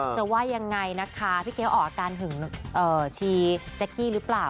ว่ายังไงนะคะพี่เก๊ออกอาการหึงชีแจ๊กกี้หรือเปล่า